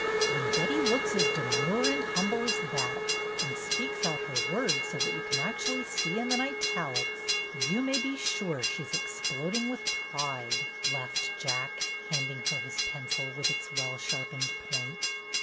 '' "When Betty looks as demure and humble as that, and speaks out her words so that you can actually see 'em in italics, you may be sure she 's exploding with pride," laughed Jack, handing her his pencil with its well sharpened point.